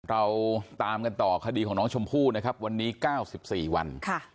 เราตามกันต่อคดีของน้องชมพู่นะครับวันนี้๙๔วัน